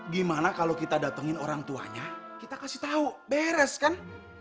gimana kalau kita datangin orang tuanya kita kasih tahu beres kan